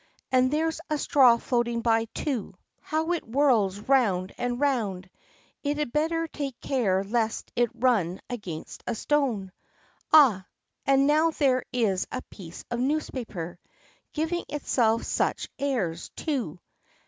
And there's a straw floating by, too. How it whirls round and round; it had better take care lest it run against a stone. Ah! and now there is a piece of newspaper. Giving itself such airs, too!